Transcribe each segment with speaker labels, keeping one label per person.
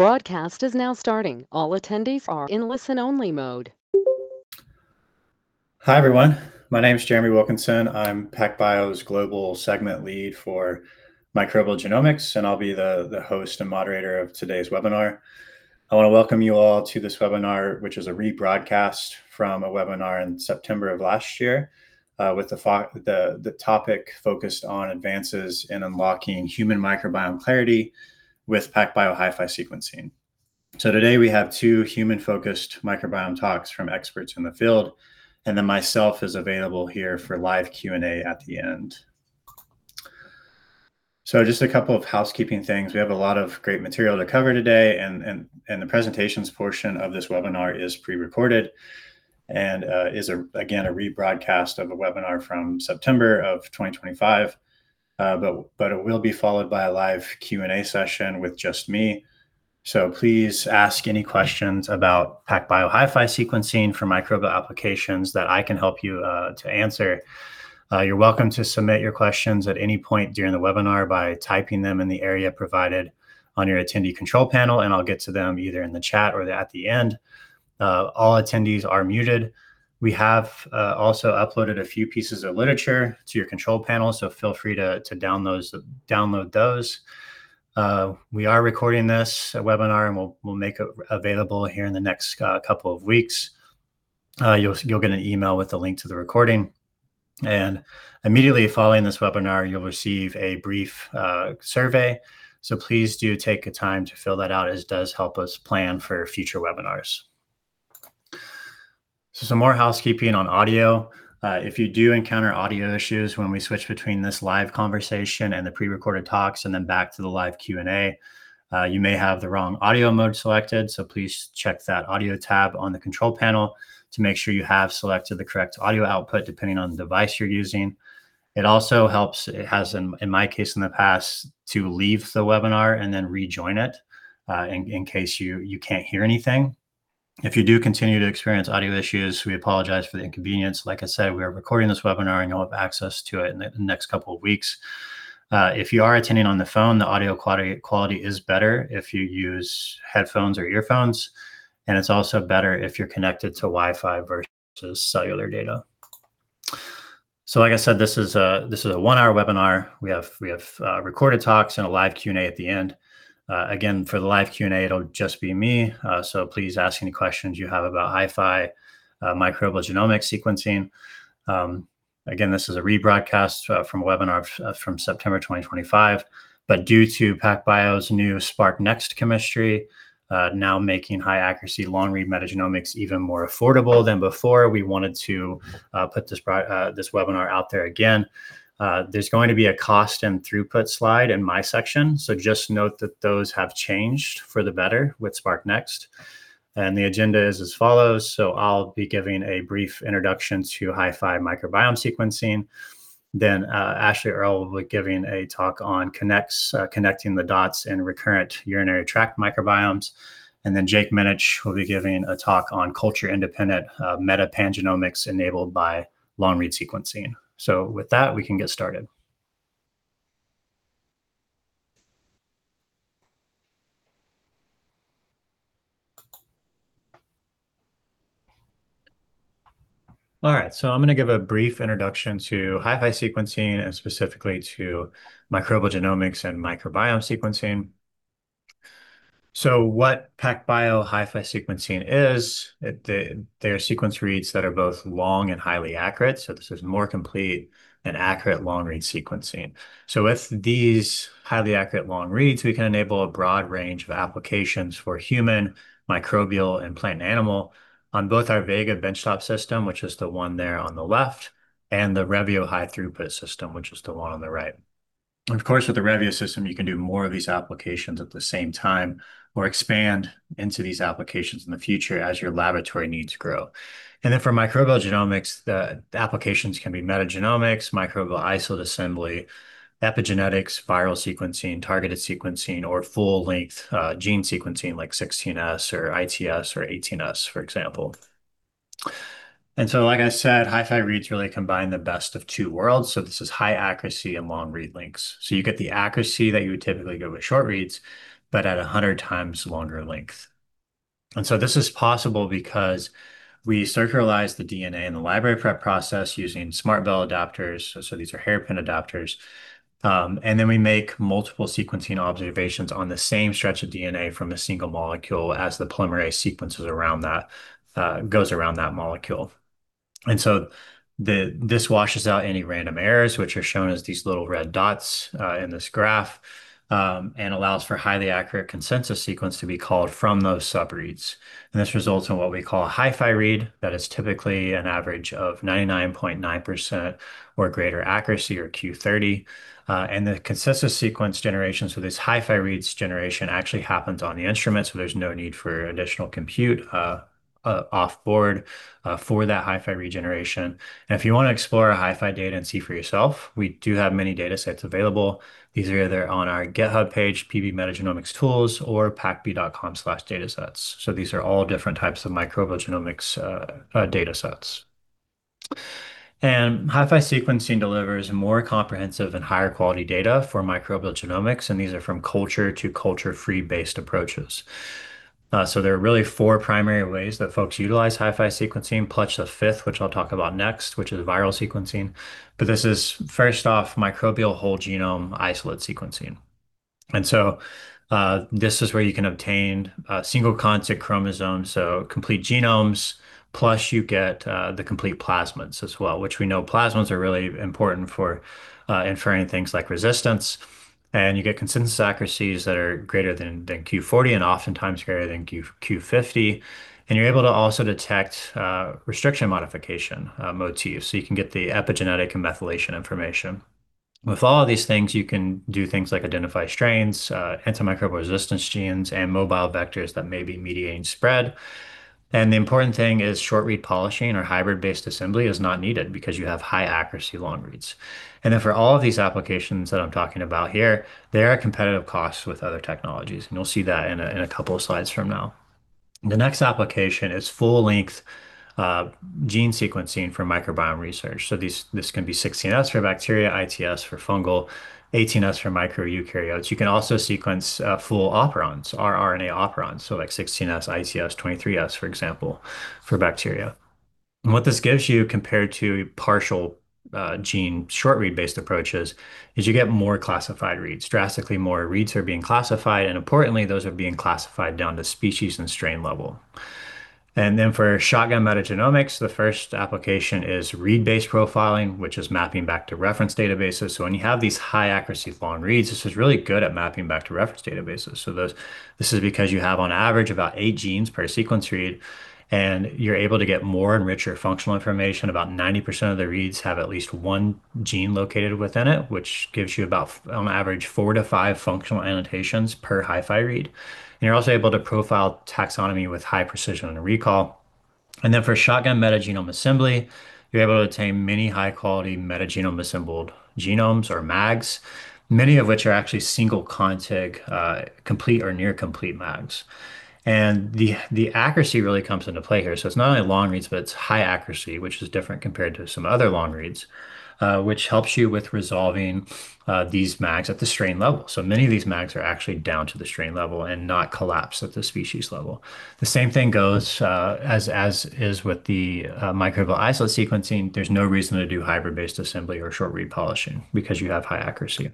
Speaker 1: The broadcast is now starting. All attendees are in listen-only mode.
Speaker 2: Hi, everyone. My name's Jeremy Wilkinson. I'm PacBio's Global Segment Lead for Microbial Genomics, and I'll be the host and moderator of today's webinar. I want to welcome you all to this webinar, which is a rebroadcast from a webinar in September of last year, with the topic focused on advances in unlocking human microbiome clarity with PacBio HiFi sequencing. Today, we have two human-focused microbiome talks from experts in the field, and then myself is available here for live Q&A at the end. Just a couple of housekeeping things. We have a lot of great material to cover today, and the presentations portion of this webinar is pre-recorded and is, again, a rebroadcast of a webinar from September of 2025. It will be followed by a live Q&A session with just me. Please ask any questions about PacBio HiFi sequencing for microbial applications that I can help you to answer. You're welcome to submit your questions at any point during the webinar by typing them in the area provided on your attendee control panel, and I'll get to them either in the chat or at the end. All attendees are muted. We have also uploaded a few pieces of literature to your control panel, feel free to download those. We are recording this webinar, and we'll make it available here in the next couple of weeks. You'll get an email with a link to the recording. Immediately following this webinar, you'll receive a brief survey, please do take the time to fill that out, as it does help us plan for future webinars. Some more housekeeping on audio. If you do encounter audio issues when we switch between this live conversation and the pre-recorded talks and then back to the live Q&A, you may have the wrong audio mode selected, please check that audio tab on the control panel to make sure you have selected the correct audio output depending on the device you're using. It also helps, it has in my case in the past, to leave the webinar and then rejoin it in case you can't hear anything. If you do continue to experience audio issues, we apologize for the inconvenience. Like I said, we are recording this webinar, and you'll have access to it in the next couple of weeks. If you are attending on the phone, the audio quality is better if you use headphones or earphones, and it's also better if you're connected to Wi-Fi versus cellular data. Like I said, this is a one-hour webinar. We have recorded talks and a live Q&A at the end. For the live Q&A, it'll just be me, please ask any questions you have about HiFi microbial genomic sequencing. This is a rebroadcast from a webinar from September 2025. Due to PacBio's new SPRQ-Nx chemistry, now making high-accuracy long-read metagenomics even more affordable than before, we wanted to put this webinar out there again. There's going to be a cost and throughput slide in my section, just note that those have changed for the better with SPRQ-Nx. The agenda is as follows. I'll be giving a brief introduction to HiFi microbiome sequencing. Ashlee Earl will be giving a talk on connecting the dots in recurrent urinary tract microbiomes. Jake Minich will be giving a talk on culture-independent metapangenomics enabled by long-read sequencing. With that, we can get started. All right. I'm going to give a brief introduction to HiFi sequencing and specifically to microbial genomics and microbiome sequencing. What PacBio HiFi sequencing is, they are sequence reads that are both long and highly accurate, this is more complete and accurate long-read sequencing. With these highly accurate long reads, we can enable a broad range of applications for human, microbial, and plant, and animal on both our Vega benchtop system, which is the one there on the left, and the Revio high-throughput system, which is the one on the right. Of course, with the Revio system, you can do more of these applications at the same time or expand into these applications in the future as your laboratory needs grow. For microbial genomics, the applications can be metagenomics, microbial isolate assembly, epigenetics, viral sequencing, targeted sequencing, or full-length gene sequencing like 16S or ITS or 18S, for example. Like I said, HiFi reads really combine the best of two worlds. This is high accuracy and long read lengths. You get the accuracy that you would typically get with short-reads, but at 100 times longer length. This is possible because we circularize the DNA in the library prep process using SMRTbell adapters, these are hairpin adapters. We make multiple sequencing observations on the same stretch of DNA from a single molecule as the polymerase sequences around that, goes around that molecule. This washes out any random errors, which are shown as these little red dots in this graph, and allows for highly accurate consensus sequence to be called from those subreads. This results in what we call a HiFi read that is typically an average of 99.9% or greater accuracy or Q30. The consensus sequence generation, this HiFi reads generation actually happens on the instrument, there's no need for additional compute off-board for that HiFi read generation. If you want to explore our HiFi data and see for yourself, we do have many data sets available. These are either on our GitHub page, pb-metagenomics-tools, or pacb.com/datasets. These are all different types of microbial genomics data sets. HiFi sequencing delivers more comprehensive and higher quality data for microbial genomics, and these are from culture to culture-free based approaches. There are really four primary ways that folks utilize HiFi sequencing, plus the fifth, which I will talk about next, which is viral sequencing. This is first off microbial whole genome isolate sequencing. This is where you can obtain single contig chromosomes, so complete genomes, plus you get the complete plasmids as well, which we know plasmids are really important for inferring things like resistance. You get consensus accuracies that are greater than Q40 and oftentimes greater than Q50. You are able to also detect restriction modification motifs, so you can get the epigenetic and methylation information. With all of these things, you can do things like identify strains, antimicrobial resistance genes, and mobile vectors that may be mediating spread. The important thing is short-read polishing or hybrid-based assembly is not needed because you have high accuracy long reads. For all of these applications that I'm talking about here, they are at competitive costs with other technologies, and you'll see that in a couple of slides from now. The next application is full-length gene sequencing for microbiome research. This can be 16S for bacteria, ITS for fungal, 18S for microeukaryotes. You can also sequence full operons, rRNA operons, like 16S, ITS, 23S, for example, for bacteria. What this gives you compared to partial gene short-read based approaches is you get more classified reads. Drastically more reads are being classified, and importantly, those are being classified down to species and strain level. For shotgun metagenomics, the first application is read-based profiling, which is mapping back to reference databases. When you have these high accuracy long reads, this is really good at mapping back to reference databases. This is because you have on average about eight genes per sequence read, and you're able to get more and richer functional information. About 90% of the reads have at least one gene located within it, which gives you about, on average, four to five functional annotations per HiFi read. You are also able to profile taxonomy with high precision and recall. For shotgun metagenome assembly, you are able to obtain many high-quality metagenome-assembled genomes or MAGs, many of which are actually single contig, complete or near complete MAGs. The accuracy really comes into play here. It's not only long reads, but it's high accuracy, which is different compared to some other long reads, which helps you with resolving these MAGs at the strain level. Many of these MAGs are actually down to the strain level and not collapsed at the species level. The same thing goes as is with the microbial isolate sequencing. There's no reason to do hybrid-based assembly or short-read polishing because you have high accuracy.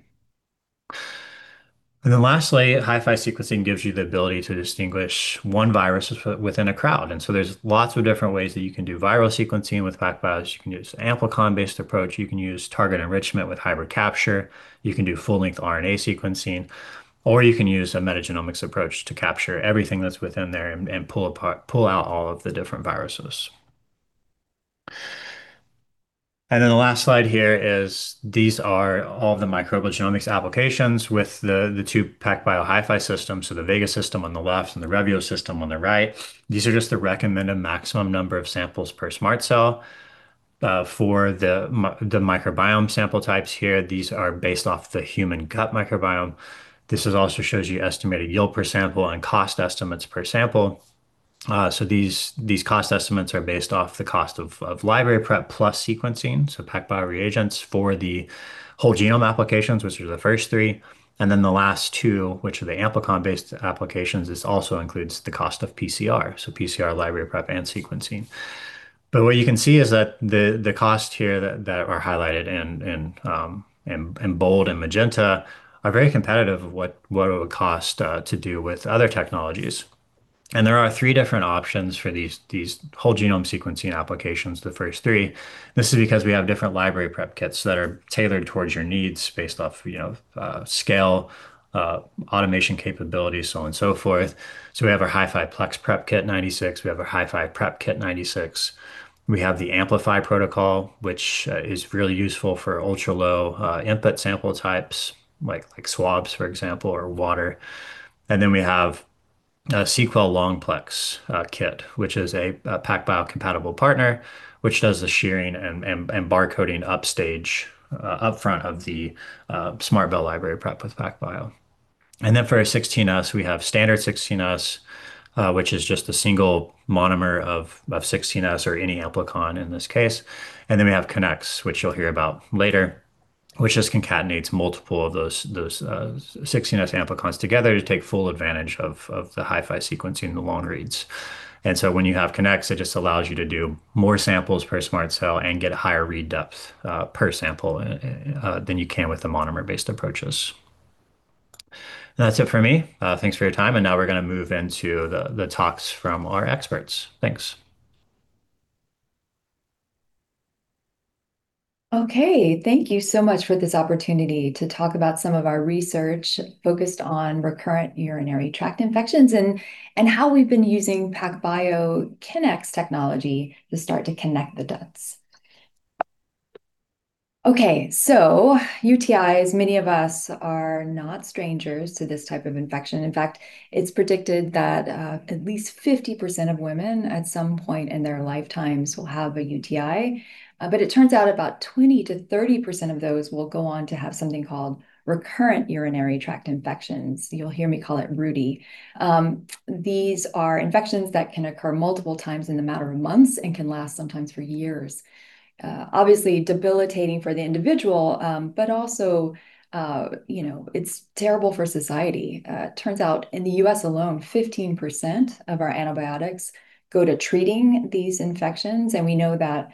Speaker 2: Lastly, HiFi sequencing gives you the ability to distinguish one virus within a crowd. There's lots of different ways that you can do viral sequencing with PacBio. You can use an amplicon-based approach. You can use target enrichment with hybrid capture. You can do full-length RNA sequencing, or you can use a metagenomics approach to capture everything that's within there and pull out all of the different viruses. The last slide here is these are all the microbial genomics applications with the two PacBio HiFi systems, the Vega system on the left and the Revio system on the right. These are just the recommended maximum number of samples per SMRT Cell. For the microbiome sample types here, these are based off the human gut microbiome. This also shows you estimated yield per sample and cost estimates per sample. These cost estimates are based off the cost of library prep plus sequencing, PacBio reagents for the whole genome applications, which are the first three, and then the last two, which are the amplicon-based applications. This also includes the cost of PCR, so PCR library prep and sequencing. What you can see is that the cost here that are highlighted in bold and magenta are very competitive of what it would cost to do with other technologies. There are three different options for these whole genome sequencing applications, the first three. This is because we have different library prep kits that are tailored towards your needs based off scale, automation capabilities, so on and so forth. We have our HiFi Plex Prep Kit 96. We have our HiFi prep kit 96. We have the Ampli-Fi protocol, which is really useful for ultra-low input sample types like swabs, for example, or water. We have SeqWell LongPlex Kit, which is a PacBio compatible partner, which does the shearing and bar coding upstage up front of the SMRTbell library prep with PacBio. For our 16S, we have standard 16S, which is just a single monomer of 16S or any amplicon in this case. We have Kinnex, which you'll hear about later, which just concatenates multiple of those 16S amplicons together to take full advantage of the HiFi sequencing, the long reads. When you have Kinnex, it just allows you to do more samples per SMRT Cell and get a higher read depth per sample than you can with the monomer-based approaches. That's it for me. Thanks for your time. Now we're going to move into the talks from our experts. Thanks.
Speaker 3: Okay, thank you so much for this opportunity to talk about some of our research focused on recurrent urinary tract infections and how we've been using PacBio Kinnex technology to start to connect the dots. Okay. UTIs, many of us are not strangers to this type of infection. In fact, it's predicted that at least 50% of women at some point in their lifetimes will have a UTI. It turns out about 20%-30% of those will go on to have something called recurrent urinary tract infections. You'll hear me call it rUTI. These are infections that can occur multiple times in a matter of months and can last sometimes for years. Obviously debilitating for the individual, but also it's terrible for society. Turns out, in the U.S. alone, 15% of our antibiotics go to treating these infections, and we know that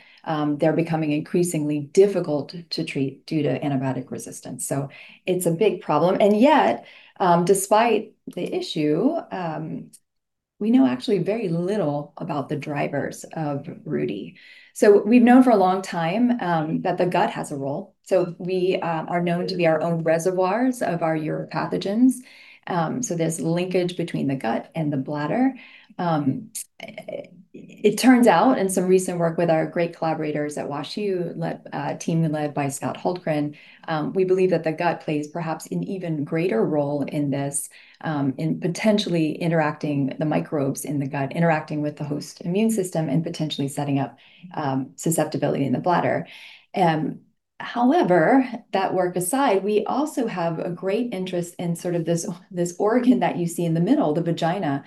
Speaker 3: they're becoming increasingly difficult to treat due to antimicrobial resistance. It's a big problem. Yet, despite the issue, we know actually very little about the drivers of rUTI. We've known for a long time that the gut has a role. We are known to be our own reservoirs of our uropathogens. There's linkage between the gut and the bladder. It turns out in some recent work with our great collaborators at WashU team led by Scott Hultgren, we believe that the gut plays perhaps an even greater role in potentially interacting the microbes in the gut, interacting with the host immune system, and potentially setting up susceptibility in the bladder. However, that work aside, we also have a great interest in this organ that you see in the middle, the vagina.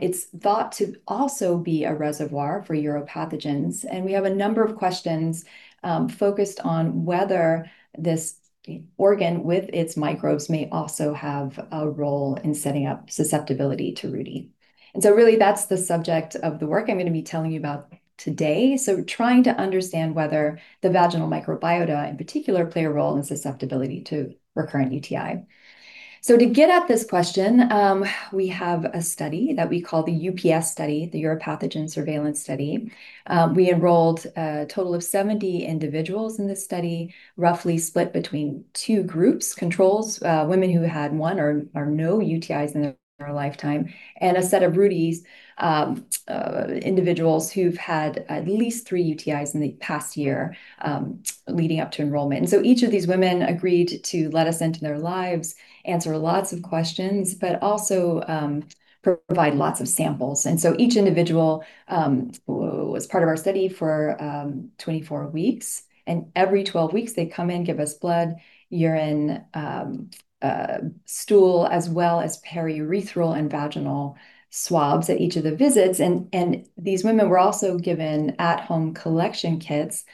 Speaker 3: It's thought to also be a reservoir for uropathogens, and we have a number of questions focused on whether this organ with its microbes may also have a role in setting up susceptibility to rUTI. Really that's the subject of the work I'm going to be telling you about today. Trying to understand whether the vaginal microbiota, in particular, play a role in susceptibility to recurrent UTI. To get at this question, we have a study that we call the UPS study, the Uropathogen Surveillance study. We enrolled a total of 70 individuals in this study, roughly split between two groups, controls, women who had one or no UTIs in their lifetime, and a set of rUTIs, individuals who've had at least three UTIs in the past year leading up to enrollment. Each of these women agreed to let us into their lives, answer lots of questions, but also provide lots of samples. Each individual was part of our study for 24 weeks. Every 12 weeks, they'd come in, give us blood, urine, stool, as well as periurethral and vaginal swabs at each of the visits. These women were also given at-home collection kits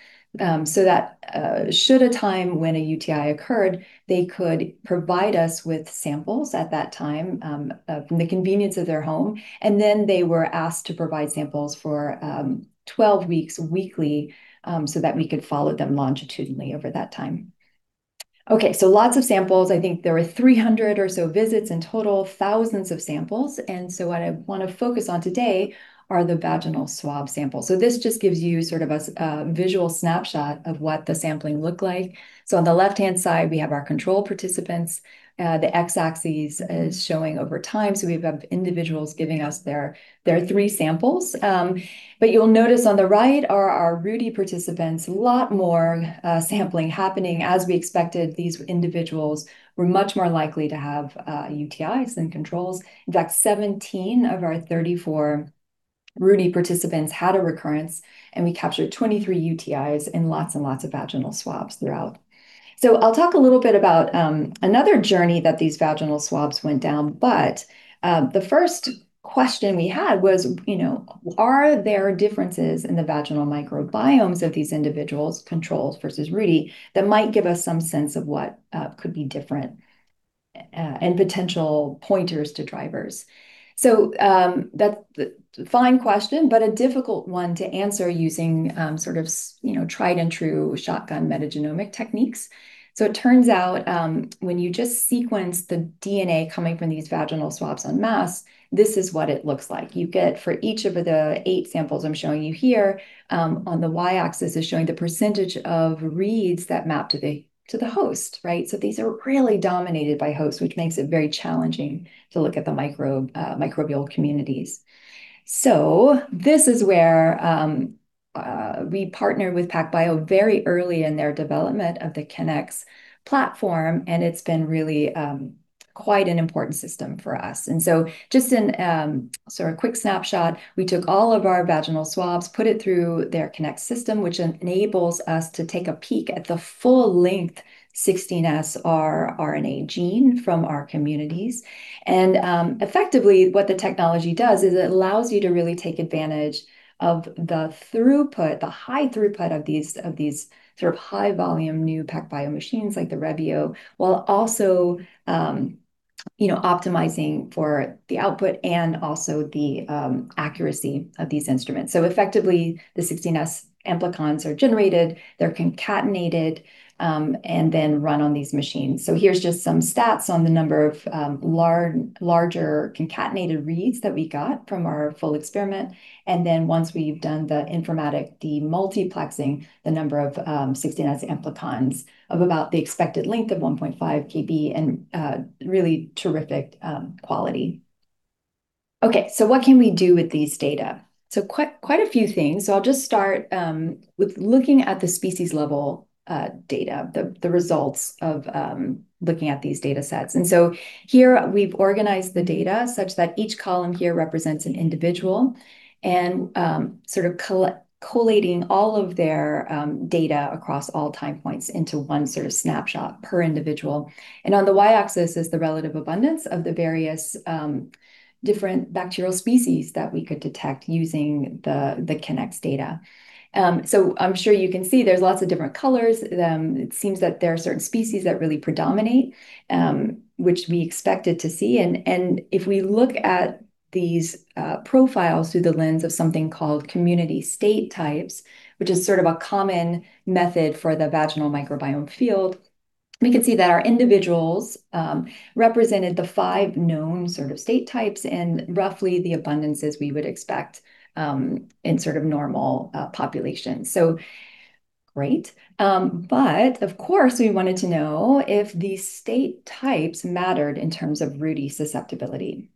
Speaker 3: so that should a time when a UTI occurred, they could provide us with samples at that time from the convenience of their home. They were asked to provide samples for 12 weeks weekly, so that we could follow them longitudinally over that time. Okay, lots of samples. I think there were 300 or so visits in total, thousands of samples. What I want to focus on today are the vaginal swab samples. This just gives you a visual snapshot of what the sampling looked like. On the left-hand side, we have our control participants. The x-axis is showing over time. We have individuals giving us their three samples. You'll notice on the right are our rUTI participants, lot more sampling happening. As we expected, these individuals were much more likely to have UTIs than controls. In fact, 17 of our 34 rUTI participants had a recurrence, and we captured 23 UTIs and lots and lots of vaginal swabs throughout. I'll talk a little bit about another journey that these vaginal swabs went down, but the first question we had was, are there differences in the vaginal microbiomes of these individuals, controls versus rUTI, that might give us some sense of what could be different and potential pointers to drivers? Fine question, but a difficult one to answer using tried and true shotgun metagenomic techniques. It turns out when you just sequence the DNA coming from these vaginal swabs en masse, this is what it looks like. You get for each of the eight samples I'm showing you here, on the y-axis is showing the percentage of reads that map to the host, right? These are really dominated by host, which makes it very challenging to look at the microbial communities. This is where we partnered with PacBio very early in their development of the Kinnex platform, and it's been really quite an important system for us. Just in a quick snapshot, we took all of our vaginal swabs, put it through their Kinnex system, which enables us to take a peek at the full length 16S rRNA gene from our communities. Effectively, what the technology does is it allows you to really take advantage of the throughput, the high throughput of these high volume new PacBio machines like the Revio, while also optimizing for the output and also the accuracy of these instruments. Effectively, the 16S amplicons are generated, they're concatenated, and then run on these machines. Here's just some stats on the number of larger concatenated reads that we got from our full experiment. Once we've done the informatic, the multiplexing, the number of 16S amplicons of about the expected length of 1.5 kb and really terrific quality. Okay, what can we do with these data? Quite a few things. I'll just start with looking at the species level data, the results of looking at these data sets. Here we've organized the data such that each column here represents an individual and collating all of their data across all time points into one snapshot per individual. On the y-axis is the relative abundance of the various different bacterial species that we could detect using the Kinnex data. I'm sure you can see there's lots of different colors. It seems that there are certain species that really predominate, which we expected to see. If we look at these profiles through the lens of something called community state types, which is a common method for the vaginal microbiome field, we can see that our individuals represented the five known state types and roughly the abundances we would expect in normal populations. Great. Of course, we wanted to know if these state types mattered in terms of rUTI susceptibility.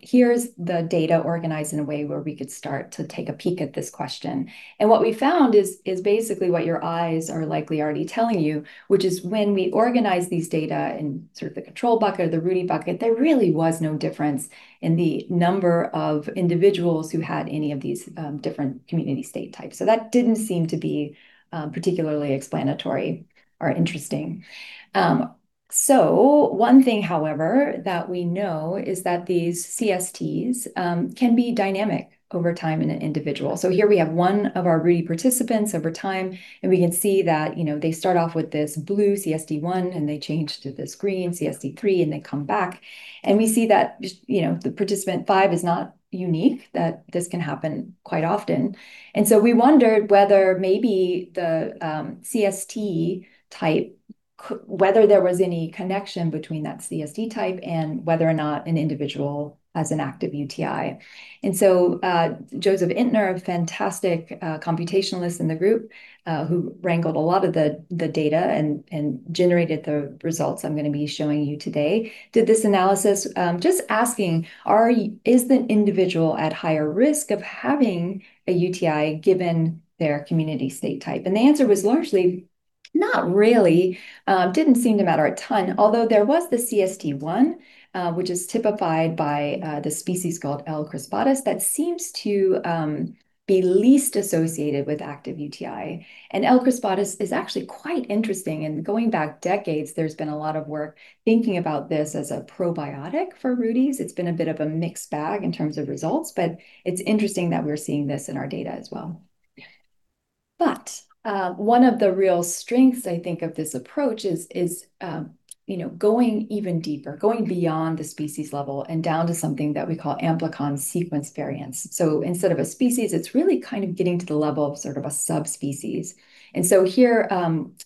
Speaker 3: Here's the data organized in a way where we could start to take a peek at this question. What we found is basically what your eyes are likely already telling you, which is when we organize these data in the control bucket or the rUTI bucket, there really was no difference in the number of individuals who had any of these different community state types. That didn't seem to be particularly explanatory or interesting. One thing, however, that we know is that these CSTs can be dynamic over time in an individual. Here we have one of our rUTI participants over time, and we can see that they start off with this blue CST1, and they change to this green CST3, and they come back, and we see that the Participant 5 is not unique, that this can happen quite often. We wondered whether maybe the CST type, whether there was any connection between that CST type and whether or not an individual has an active UTI. Joseph Entner, a fantastic computationalist in the group, who wrangled a lot of the data and generated the results I'm going to be showing you today, did this analysis just asking is the individual at higher risk of having a UTI given their community state type? The answer was largely not really, didn't seem to matter a ton. Although there was the CST1, which is typified by the species called L. crispatus, that seems to be least associated with active UTI. L. crispatus is actually quite interesting, going back decades, there's been a lot of work thinking about this as a probiotic for rUTIs. It's been a bit of a mixed bag in terms of results, but it's interesting that we're seeing this in our data as well. One of the real strengths, I think, of this approach is going even deeper, going beyond the species level and down to something that we call amplicon sequence variants. Instead of a species, it's really getting to the level of a subspecies. Here,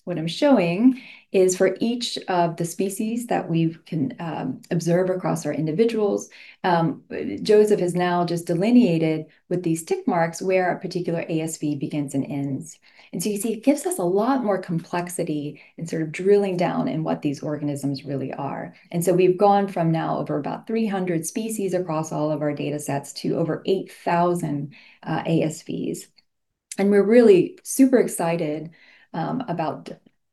Speaker 3: what I'm showing is for each of the species that we can observe across our individuals, Joseph has now just delineated with these tick marks where a particular ASV begins and ends. You see, it gives us a lot more complexity in drilling down in what these organisms really are. We've gone from now over about 300 species across all of our data sets to over 8,000 ASVs. We're really super excited about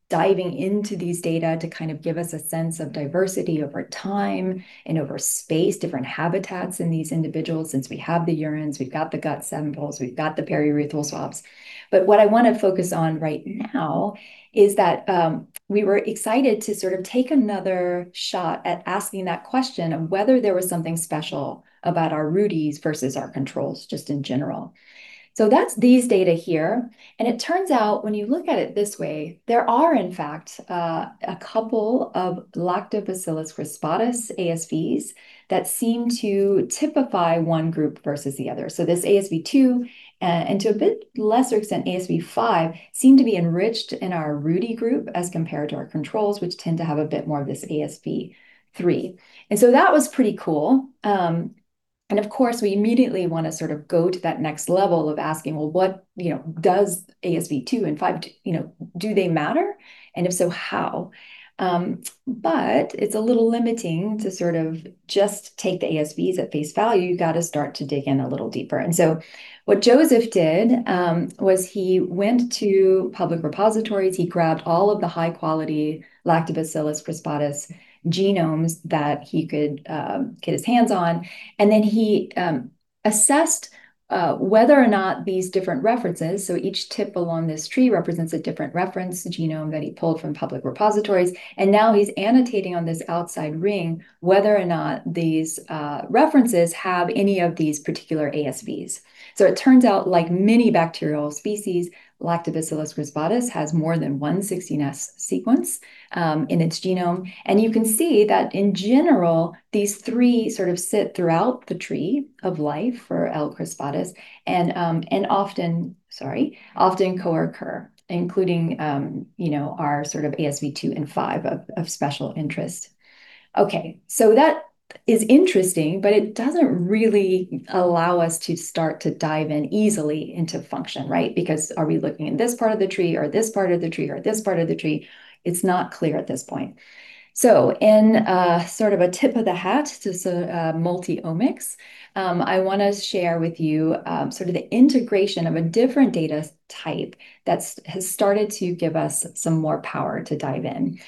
Speaker 3: diving into these data to give us a sense of diversity over time and over space, different habitats in these individuals, since we have the urines, we've got the gut samples, we've got the periurethral swabs. What I want to focus on right now is that we were excited to take another shot at asking that question of whether there was something special about our rUTIs versus our controls, just in general. That's these data here, and it turns out when you look at it this way, there are in fact, a couple of Lactobacillus crispatus ASVs that seem to typify one group versus the other. This ASV2, and to a bit lesser extent, ASV5, seem to be enriched in our rUTI group as compared to our controls, which tend to have a bit more of this ASV3. That was pretty cool. Of course, we immediately want to go to that next level of asking, well, does ASV2 and ASV5, do they matter? If so, how? It's a little limiting to just take the ASVs at face value. You got to start to dig in a little deeper. What Joseph did, was he went to public repositories. He grabbed all of the high-quality Lactobacillus crispatus genomes that he could get his hands on, then he assessed whether or not these different references. Each tip along this tree represents a different reference genome that he pulled from public repositories. Now he's annotating on this outside ring, whether or not these references have any of these particular ASVs. It turns out, like many bacterial species, Lactobacillus crispatus has more than one 16S sequence in its genome. You can see that in general, these three sit throughout the tree of life for L. crispatus and often co-occur, including our ASV2 and 5 of special interest. Okay, that is interesting, but it doesn't really allow us to start to dive in easily into function, right? Because are we looking in this part of the tree or this part of the tree, or this part of the tree? It's not clear at this point. In a tip of the hat to multi-omics, I want to share with you the integration of a different data type that has started to give us some more power to dive in.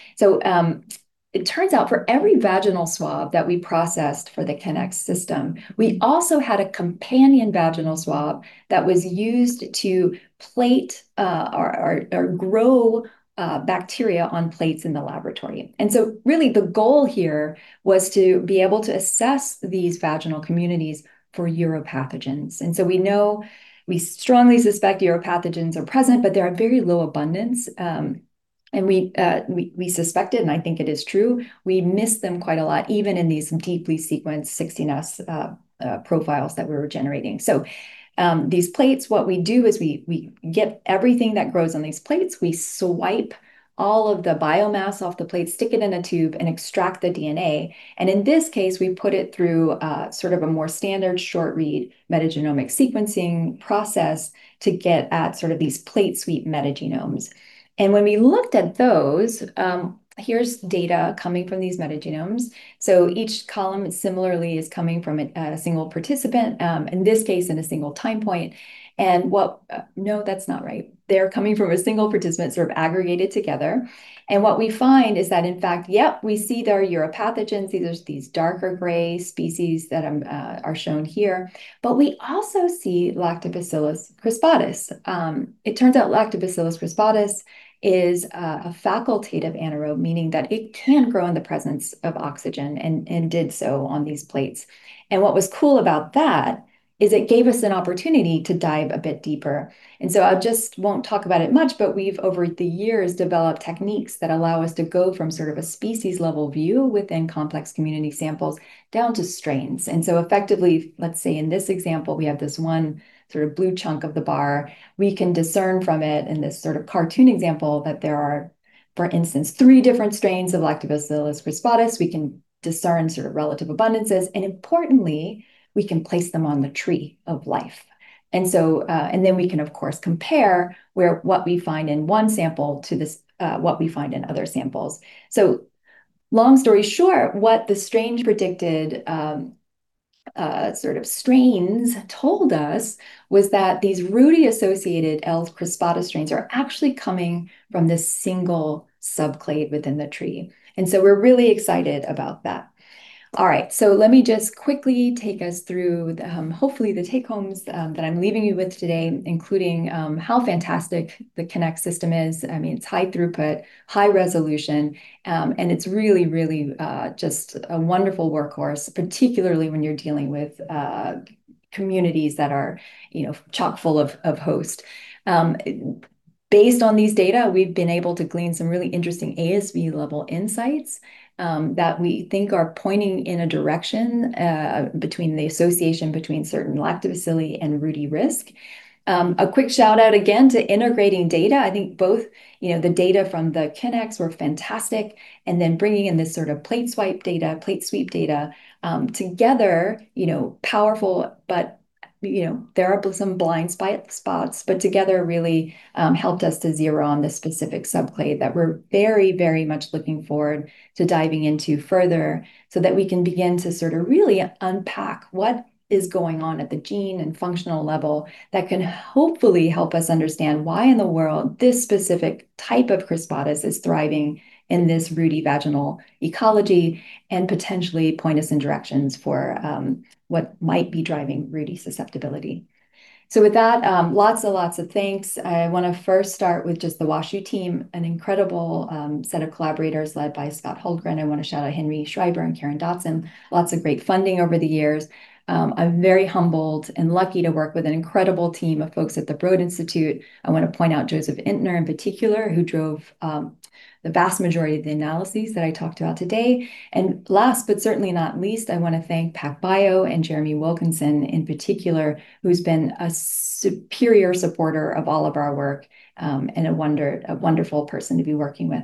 Speaker 3: It turns out for every vaginal swab that we processed for the Kinnex system, we also had a companion vaginal swab that was used to plate or grow bacteria on plates in the laboratory. Really the goal here was to be able to assess these vaginal communities for uropathogens. We know, we strongly suspect uropathogens are present, but they are very low abundance. We suspected, and I think it is true, we miss them quite a lot, even in these deeply sequenced 16S profiles that we were generating. These plates, what we do is we get everything that grows on these plates. We swipe all of the biomass off the plate, stick it in a tube, and extract the DNA. In this case, we put it through a more standard short-read metagenomic sequencing process to get at these plate sweep metagenomes. When we looked at those, here's data coming from these metagenomes. Each column similarly is coming from a single participant, in this case, in a single time point. They're coming from a single participant sort of aggregated together. What we find is that in fact, yep, we see there are uropathogens, these darker gray species that are shown here. We also see Lactobacillus crispatus. It turns out Lactobacillus crispatus is a facultative anaerobe, meaning that it can grow in the presence of oxygen and did so on these plates. What was cool about that is it gave us an opportunity to dive a bit deeper. I just won't talk about it much, but we've, over the years, developed techniques that allow us to go from a species level view within complex community samples down to strains. Effectively, let's say in this example, we have this one blue chunk of the bar. We can discern from it in this cartoon example that there are, for instance, three different strains of Lactobacillus crispatus. We can discern relative abundances, and importantly, we can place them on the tree of life. Then we can, of course, compare what we find in one sample to what we find in other samples. Long story short, what the strain predicted, sort of strains told us was that these rUTI-associated L. crispatus strains are actually coming from this single subclade within the tree. So we're really excited about that. All right, let me just quickly take us through hopefully the take-homes that I'm leaving you with today, including how fantastic the Kinnex system is. It's high throughput, high resolution, and it's really just a wonderful workhorse, particularly when you're dealing with communities that are chock-full of host. Based on these data, we've been able to glean some really interesting ASV-level insights that we think are pointing in a direction between the association between certain Lactobacilli and rUTI risk. A quick shout-out again to integrating data. I think both the data from the Kinnex were fantastic, then bringing in this plate swipe data, plate sweep data together, powerful, but there are some blind spots. Together really helped us to zero on this specific subclade that we're very much looking forward to diving into further, so that we can begin to really unpack what is going on at the gene and functional level that can hopefully help us understand why in the world this specific type of crispatus is thriving in this rUTI vaginal ecology. Potentially point us in directions for what might be driving rUTI susceptibility. With that, lots of thanks. I want to first start with just the WashU team, an incredible set of collaborators led by Scott Hultgren. I want to shout out Henry Schreiber and Karen Dotson. Lots of great funding over the years. I'm very humbled and lucky to work with an incredible team of folks at the Broad Institute. I want to point out Joseph Entner in particular, who drove the vast majority of the analyses that I talked about today. Last but certainly not least, I want to thank PacBio and Jeremy Wilkinson in particular, who's been a superior supporter of all of our work, and a wonderful person to be working with.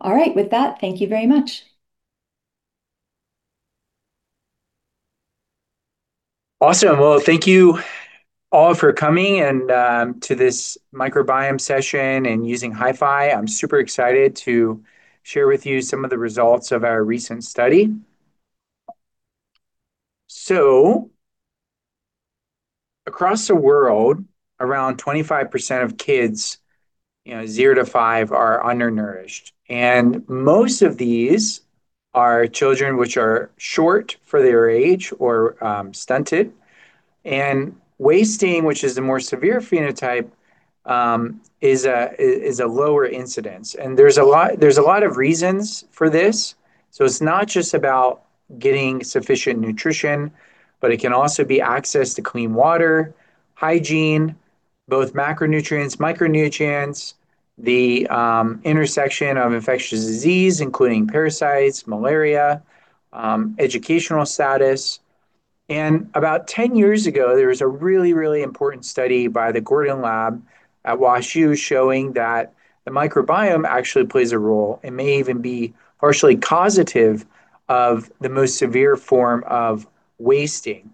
Speaker 3: All right, with that, thank you very much.
Speaker 4: Awesome. Well, thank you all for coming to this microbiome session and using HiFi. I'm super excited to share with you some of the results of our recent study. Across the world, around 25% of kids zero to five are undernourished. Most of these are children which are short for their age or stunted. Wasting, which is the more severe phenotype, is a lower incidence. There's a lot of reasons for this. It's not just about getting sufficient nutrition, but it can also be access to clean water, hygiene, both macronutrients, micronutrients, the intersection of infectious disease, including parasites, malaria, educational status. About 10 years ago, there was a really important study by the Gordon Lab at WashU showing that the microbiome actually plays a role. It may even be partially causative of the most severe form of wasting.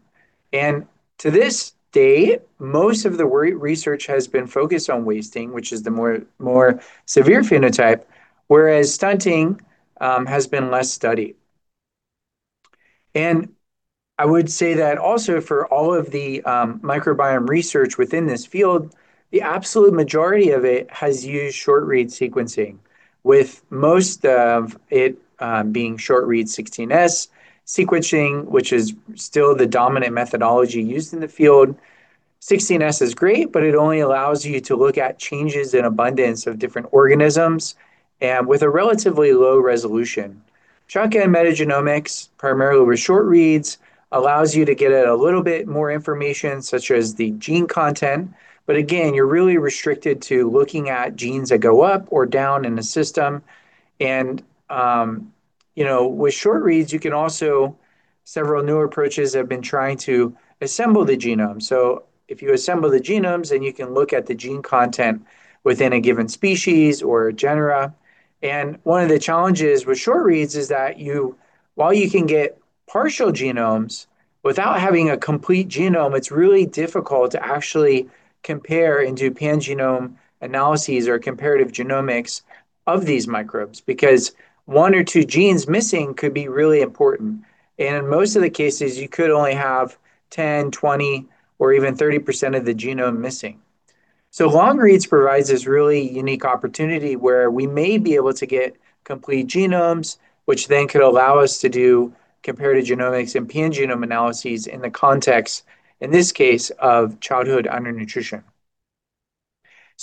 Speaker 4: To this day, most of the research has been focused on wasting, which is the more severe phenotype, whereas stunting has been less studied. I would say that also for all of the microbiome research within this field, the absolute majority of it has used short-read sequencing, with most of it being short-read 16S sequencing, which is still the dominant methodology used in the field. 16S is great, but it only allows you to look at changes in abundance of different organisms and with a relatively low resolution. Shotgun metagenomics, primarily with short-reads, allows you to get at a little bit more information, such as the gene content. Again, you're really restricted to looking at genes that go up or down in a system. With short-reads, several new approaches have been trying to assemble the genome. If you assemble the genomes, then you can look at the gene content within a given species or a genera. One of the challenges with short-reads is that while you can get partial genomes, without having a complete genome, it's really difficult to actually compare and do pangenome analyses or comparative genomics of these microbes, because one or two genes missing could be really important. In most of the cases, you could only have 10%, 20%, or even 30% of the genome missing. Long reads provides this really unique opportunity where we may be able to get complete genomes, which then could allow us to do comparative genomics and pangenome analyses in the context, in this case, of childhood undernutrition.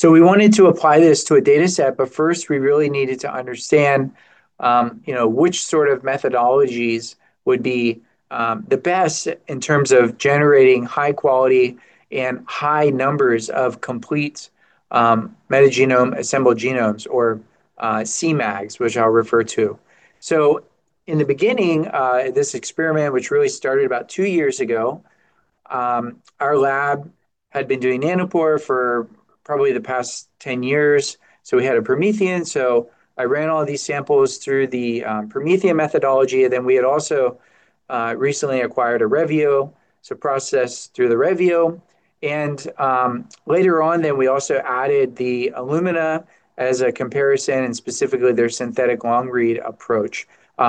Speaker 4: We wanted to apply this to a dataset, but first we really needed to understand which sort of methodologies would be the best in terms of generating high quality and high numbers of complete metagenome-assembled genomes or CMAGs, which I'll refer to. In the beginning, this experiment, which really started about two years ago, our lab had been doing nanopore for probably the past 10 years. We had a PromethION, so I ran all these samples through the PromethION methodology. We had also recently acquired a Revio, so processed through the Revio. Later on we also added the Illumina as a comparison, and specifically their synthetic long-read approach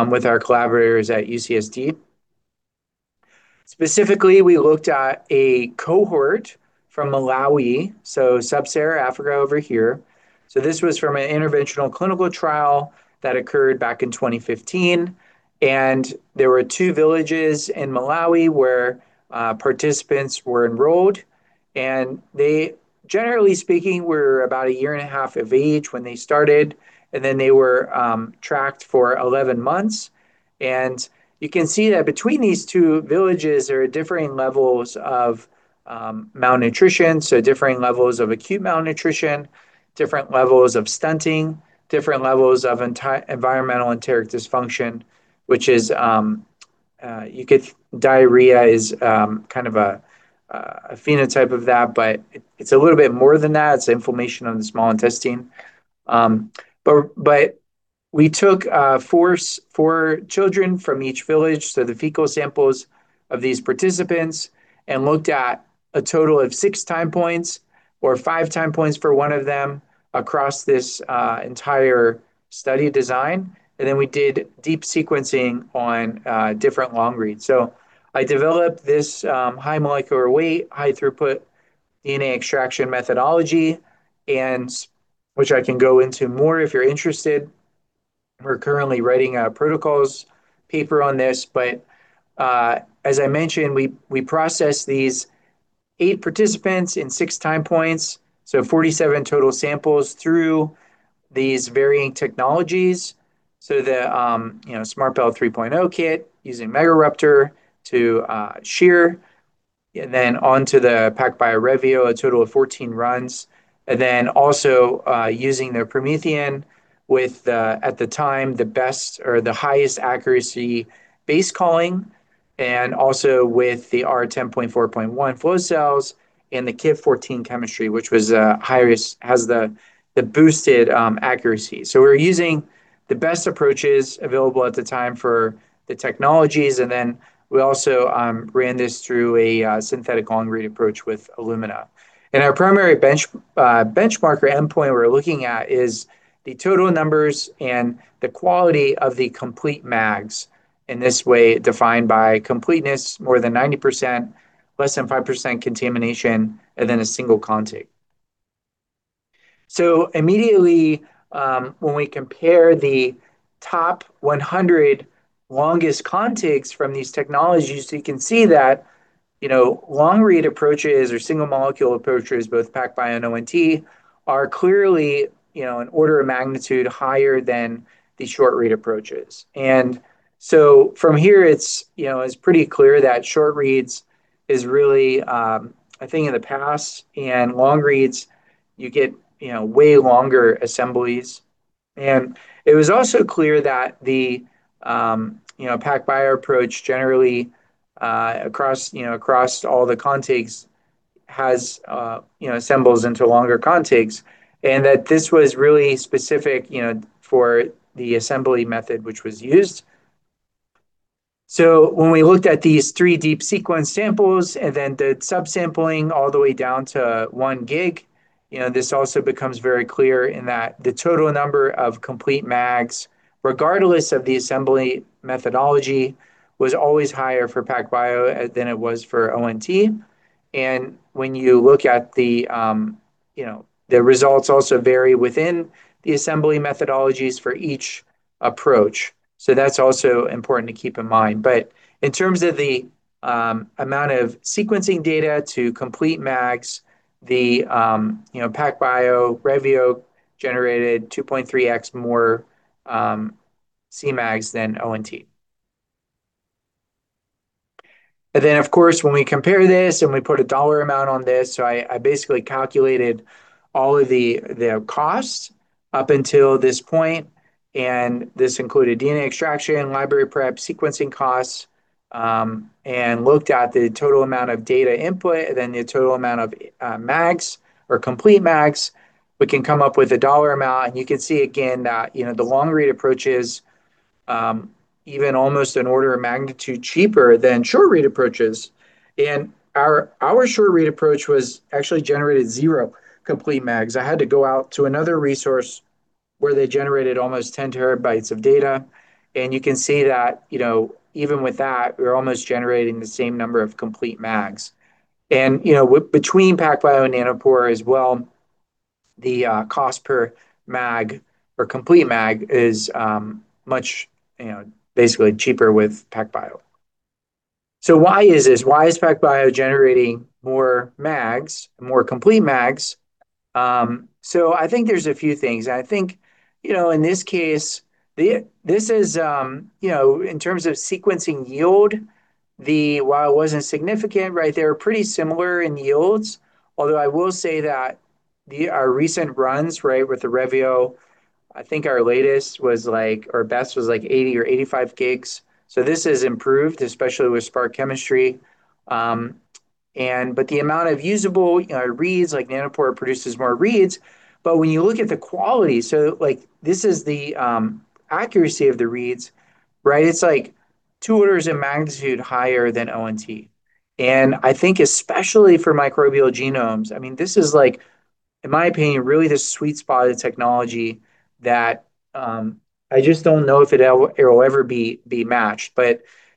Speaker 4: with our collaborators at UCSD. Specifically, we looked at a cohort from Malawi, sub-Sahara Africa over here. This was from an interventional clinical trial that occurred back in 2015, and there were two villages in Malawi where participants were enrolled, and they, generally speaking, were about a year and a half of age when they started, and then they were tracked for 11 months. You can see that between these two villages, there are differing levels of malnutrition, so differing levels of acute malnutrition, different levels of stunting, different levels of environmental enteric dysfunction, diarrhea is kind of a phenotype of that, but it's a little bit more than that. It's inflammation on the small intestine. We took four children from each village, so the fecal samples of these participants, and looked at a total of six time points, or five time points for one of them, across this entire study design. Then we did deep sequencing on different long reads. I developed this high molecular weight, high throughput DNA extraction methodology, which I can go into more if you're interested. We're currently writing a protocols paper on this. As I mentioned, we processed these eight participants in six time points, so 47 total samples through these varying technologies. The SMRTbell 3.0 kit using Megaruptor to shear. Then onto the PacBio Revio, a total of 14 runs. Also using their PromethION with, at the time, the best or the highest accuracy base calling, and also with the R10.4.1 flow cells and the Kit 14 chemistry, which has the boosted accuracy. We were using the best approaches available at the time for the technologies, and then we also ran this through a synthetic long-read approach with Illumina. Our primary benchmarker endpoint we're looking at is the total numbers and the quality of the complete MAGs, in this way defined by completeness, more than 90%, less than 5% contamination, and then a single contig. Immediately, when we compare the top 100 longest contigs from these technologies, you can see that long-read approaches or single molecule approaches, both PacBio and ONT, are clearly an order of magnitude higher than the short-read approaches. From here, it's pretty clear that short-reads is really a thing of the past. Long reads, you get way longer assemblies. It was also clear that the PacBio approach generally, across all the contigs, assembles into longer contigs, and that this was really specific for the assembly method which was used. When we looked at these three deep sequence samples, and then the subsampling all the way down to 1 GB, this also becomes very clear in that the total number of complete MAGs, regardless of the assembly methodology, was always higher for PacBio than it was for ONT. When you look at the results also vary within the assembly methodologies for each approach. That's also important to keep in mind. In terms of the amount of sequencing data to complete MAGs, the PacBio Revio generated 2.3x more CMAGs than ONT. Of course, when we compare this and we put a dollar amount on this, I basically calculated all of the costs up until this point, and this included DNA extraction, library prep, sequencing costs, and looked at the total amount of data input, then the total amount of MAGs or complete MAGs. We can come up with a dollar amount, and you can see again that the long-read approach is even almost an order of magnitude cheaper than short-read approaches. Our short-read approach was actually generated zero complete MAGs. I had to go out to another resource where they generated almost 10 TB of data, and you can see that even with that, we're almost generating the same number of complete MAGs. Between PacBio and Nanopore as well, the cost per MAG or complete MAG is much basically cheaper with PacBio. Why is this? Why is PacBio generating more MAGs, more complete MAGs? I think there's a few things. I think, in this case, in terms of sequencing yield, while it wasn't significant, they're pretty similar in yields. I will say that our recent runs with the Revio, I think our latest or best was like 80 GB or 85 GB. This has improved, especially with SMRT chemistry. The amount of usable reads, like Nanopore produces more reads, but when you look at the quality, this is the accuracy of the reads. It's like two orders of magnitude higher than ONT. I think especially for microbial genomes, this is, in my opinion, really the sweet spot of the technology that I just don't know if it'll ever be matched.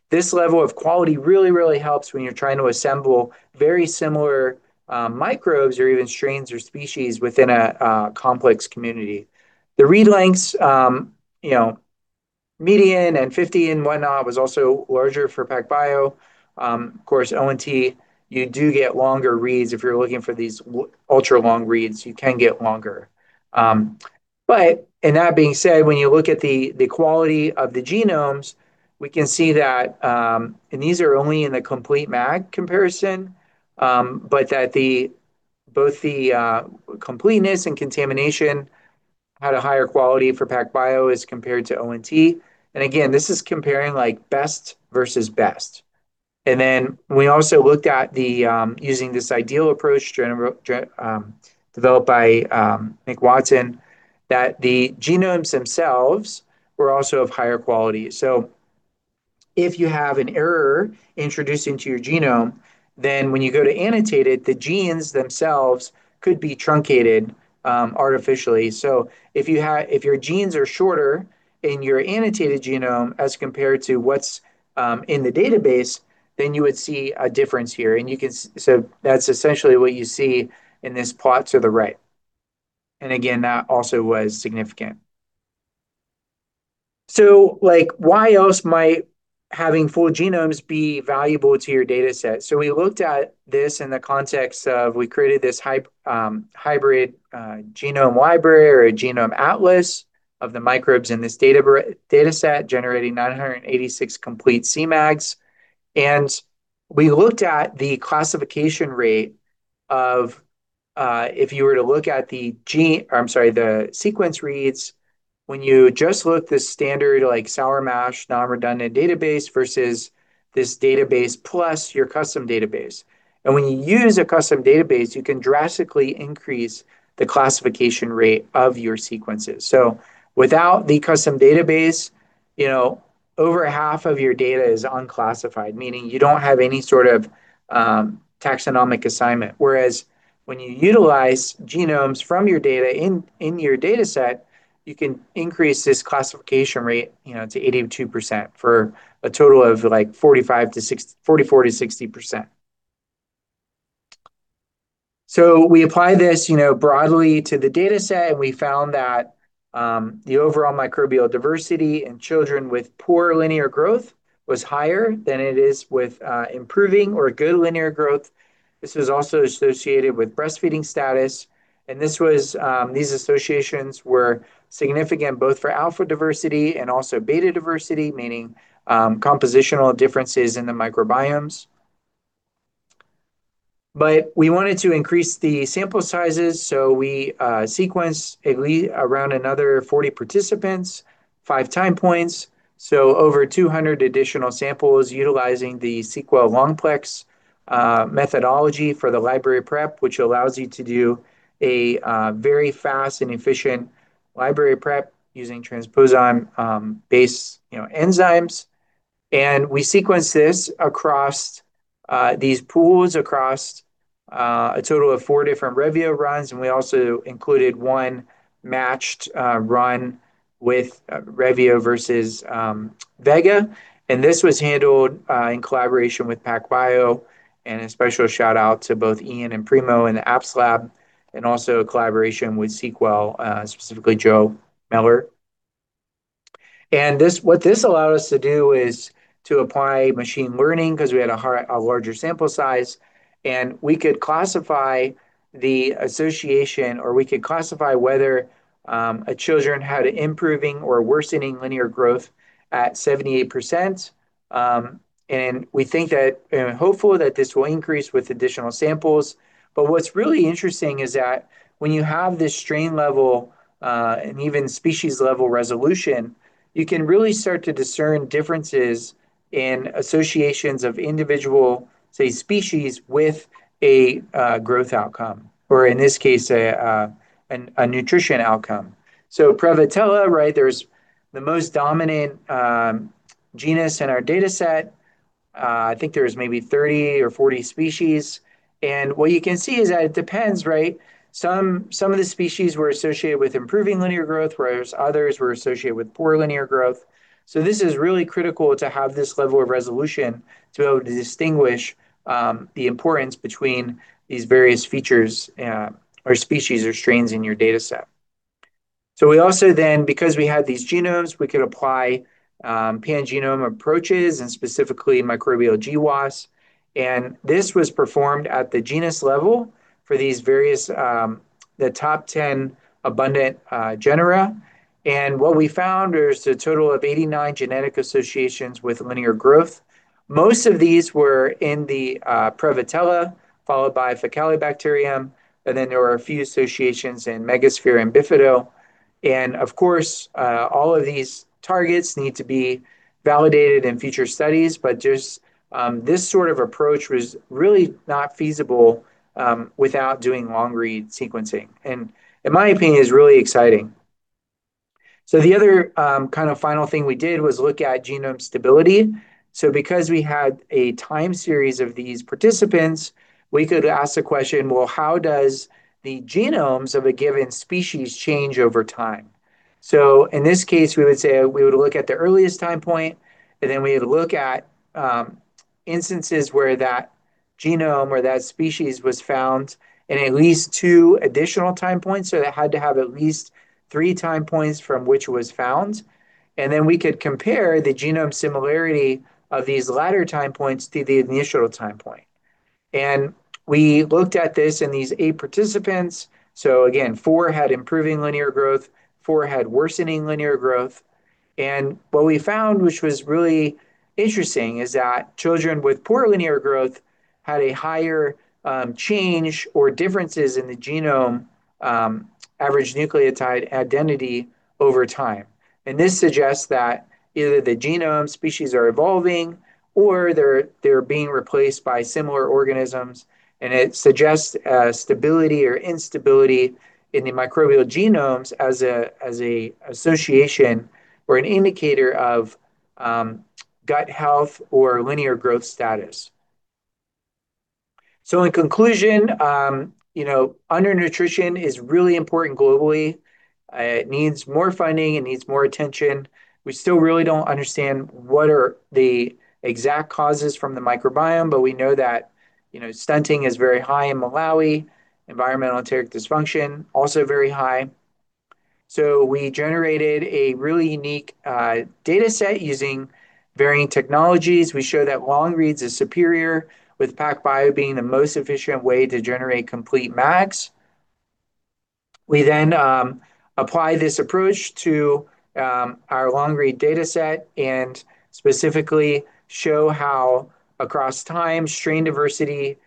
Speaker 4: This level of quality really helps when you're trying to assemble very similar microbes or even strains or species within a complex community. The read lengths, median and 50 and whatnot, was also larger for PacBio. Of course, ONT, you do get longer reads. If you're looking for these ultra-long reads, you can get longer. That being said, when you look at the quality of the genomes, we can see that, and these are only in the complete MAG comparison, that both the completeness and contamination had a higher quality for PacBio as compared to ONT. Again, this is comparing best versus best. We also looked at using this ideal approach developed by Mick Watson, that the genomes themselves were also of higher quality. If you have an error introduced into your genome, then when you go to annotate it, the genes themselves could be truncated artificially. If your genes are shorter in your annotated genome as compared to what's in the database, then you would see a difference here. That's essentially what you see in this plot to the right. Again, that also was significant. Why else might having full genomes be valuable to your dataset? We looked at this in the context of we created this hybrid genome library or a genome atlas of the microbes in this dataset, generating 986 complete CMAGs. We looked at the classification rate of if you were to look at the sequence reads, when you just look at the standard sourmash non-redundant database versus this database plus your custom database. When you use a custom database, you can drastically increase the classification rate of your sequences. Without the custom database, over half of your data is unclassified, meaning you don't have any sort of taxonomic assignment. Whereas when you utilize genomes from your data in your dataset, you can increase this classification rate to 82% for a total of 44%-60%. We apply this broadly to the dataset, and we found that the overall microbial diversity in children with poor linear growth was higher than it is with improving or good linear growth. This was also associated with breastfeeding status, and these associations were significant both for alpha diversity and also beta diversity, meaning compositional differences in the microbiomes. We wanted to increase the sample sizes, we sequenced around another 40 participants, five time points. Over 200 additional samples utilizing the SeqWell LongPlex methodology for the library prep, which allows you to do a very fast and efficient library prep using transposon-based enzymes. We sequenced this across these pools, across a total of four different Revio runs, and we also included one matched run with Revio versus Vega. This was handled in collaboration with PacBio, and a special shout-out to both Ian and Primo in the Apps lab, also collaboration with SeqWell, specifically Joe Miller. What this allowed us to do is to apply machine learning because we had a larger sample size, and we could classify the association, or we could classify whether children had an improving or worsening linear growth at 78%. We're hopeful that this will increase with additional samples. What's really interesting is that when you have this strain-level and even species-level resolution, you can really start to discern differences in associations of individual, say, species with a growth outcome, or in this case, a nutrition outcome. Prevotella, there's the most dominant genus in our dataset. I think there's maybe 30 or 40 species. What you can see is that it depends. Some of the species were associated with improving linear growth, whereas others were associated with poor linear growth. This is really critical to have this level of resolution to be able to distinguish the importance between these various features or species or strains in your dataset. We also then, because we had these genomes, we could apply pangenome approaches and specifically microbial GWAS. This was performed at the genus level for the top 10 abundant genera. What we found, there's a total of 89 genetic associations with linear growth. Most of these were in the Prevotella, followed by Faecalibacterium, and then there were a few associations in Megasphaera and Bifido. Of course, all of these targets need to be validated in future studies. This sort of approach was really not feasible without doing long-read sequencing, and in my opinion, is really exciting. The other kind of final thing we did was look at genome stability. Because we had a time series of these participants, we could ask the question, well, how does the genomes of a given species change over time? In this case, we would say we would look at the earliest time point, then we'd look at instances where that genome or that species was found in at least two additional time points. So they had to have at least three time points from which it was found. Then we could compare the genome similarity of these latter time points to the initial time point. We looked at this in these eight participants. Again, four had improving linear growth, four had worsening linear growth. What we found, which was really interesting, is that children with poor linear growth had a higher change or differences in the genome Average Nucleotide Identity over time. This suggests that either the genome species are evolving or they're being replaced by similar organisms. It suggests stability or instability in the microbial genomes as an association or an indicator of gut health or linear growth status. In conclusion, undernutrition is really important globally. It needs more funding. It needs more attention. We still really don't understand what are the exact causes from the microbiome, but we know that stunting is very high in Malawi, environmental enteric dysfunction, also very high. We generated a really unique dataset using varying technologies. We show that long-reads is superior, with PacBio being the most efficient way to generate complete MAGs. We apply this approach to our long-read dataset and specifically show how across time, strain diversity,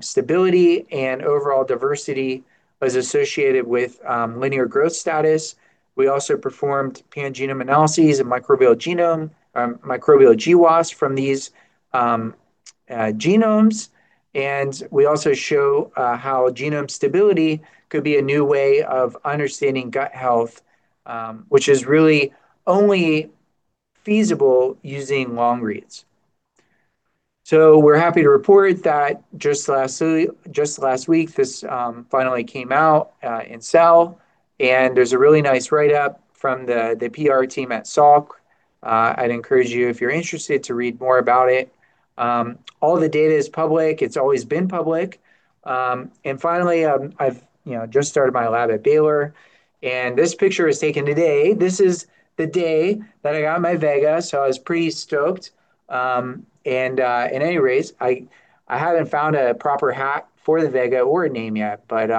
Speaker 4: stability, and overall diversity was associated with linear growth status. We also performed pangenome analyses and microbial GWAS from these genomes. We also show how genome stability could be a new way of understanding gut health, which is really only feasible using long-reads. We're happy to report that just last week, this finally came out in Cell, and there's a really nice write-up from the PR team at Salk. I'd encourage you, if you're interested, to read more about it. All the data is public. It's always been public. Finally, I've just started my lab at Baylor, and this picture was taken today. This is the day that I got my Vega, so I was pretty stoked. At any rate, I haven't found a proper hat for the Vega or a name yet, but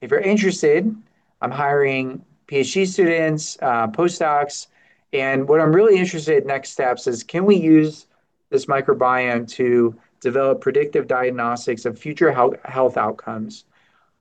Speaker 4: if you're interested, I'm hiring PhD students, postdocs. What I'm really interested in next steps is can we use this microbiome to develop predictive diagnostics of future health outcomes?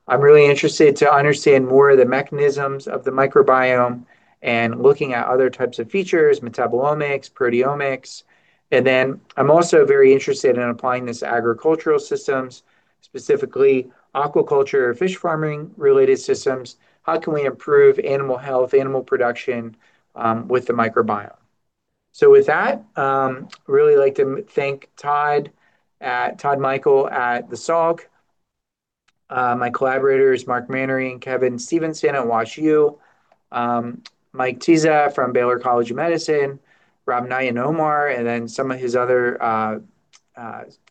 Speaker 4: I'm really interested to understand more of the mechanisms of the microbiome and looking at other types of features, metabolomics, proteomics. I'm also very interested in applying this to agricultural systems, specifically aquaculture fish farming related systems. How can we improve animal health, animal production with the microbiome? With that, really like to thank Todd Michael at the Salk, my collaborators Mark Manary and Kevin Stevenson at WashU, Mike Tisa from Baylor College of Medicine, Rob Knight and Omar, and then some of his other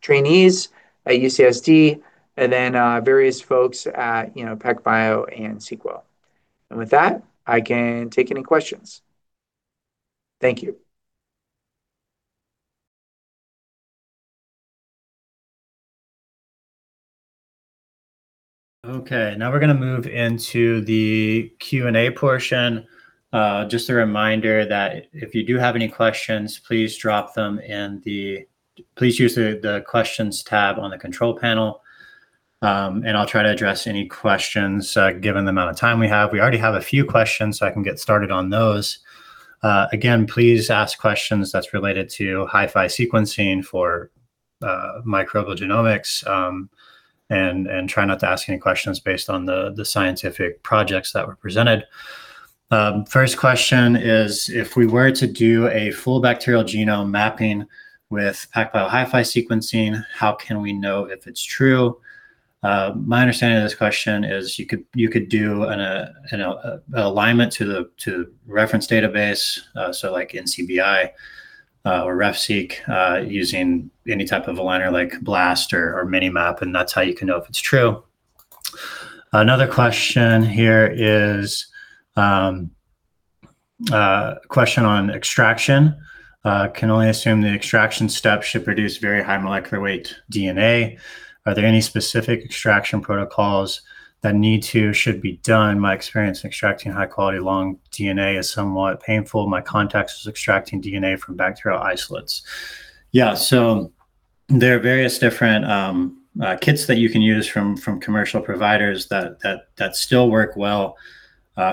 Speaker 4: trainees at UC San Diego, and then various folks at PacBio and SeqWell. With that, I can take any questions. Thank you.
Speaker 2: Okay, now we're going to move into the Q&A portion. Just a reminder that if you do have any questions, please use the Questions tab on the control panel, and I'll try to address any questions, given the amount of time we have. We already have a few questions, so I can get started on those. Again, please ask questions that's related to HiFi sequencing for microbial genomics, and try not to ask any questions based on the scientific projects that were presented. First question is, if we were to do a full bacterial genome mapping with PacBio HiFi sequencing, how can we know if it's true? My understanding of this question is you could do an alignment to the reference database, so like NCBI or RefSeq, using any type of aligner, like BLAST or Minimap, and that's how you can know if it's true. Another question here is a question on extraction. Can only assume the extraction steps should produce very high molecular weight DNA. Are there any specific extraction protocols that need to/should be done? My experience in extracting high quality long DNA is somewhat painful. My context is extracting DNA from bacterial isolates. There are various different kits that you can use from commercial providers that still work well